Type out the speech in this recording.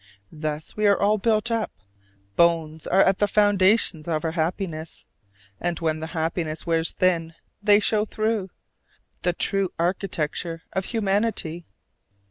Thus we are all built up: bones are at the foundations of our happiness, and when the happiness wears thin, they show through, the true architecture of humanity.